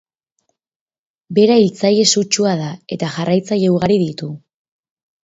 Bera hiltzaile sutsua da eta jarraitzaile ugari ditu.